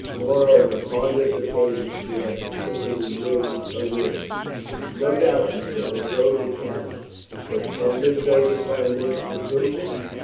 Moreover, upon this occasion she had particularly weighed her words. "No doubt," she said, "a soldier can. But can this soldier find work so suitable?